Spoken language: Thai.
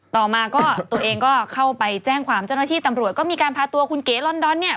ต่อมาก็ตัวเองก็เข้าไปแจ้งความเจ้าหน้าที่ตำรวจก็มีการพาตัวคุณเก๋ลอนดอนเนี่ย